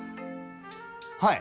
はい。